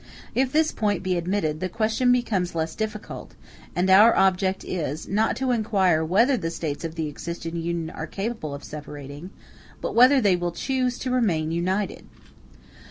If this point be admitted, the question becomes less difficult; and our object is, not to inquire whether the States of the existing Union are capable of separating, but whether they will choose to remain united.